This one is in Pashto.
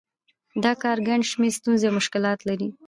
دا کار ګڼ شمېر ستونزې او مشکلات لري